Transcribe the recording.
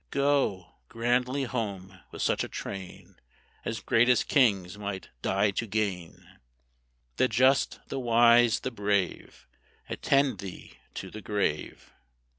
Go, grandly borne, with such a train As greatest kings might die to gain. The just, the wise, the brave, Attend thee to the grave.